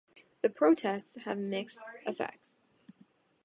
The protests had mixed effects.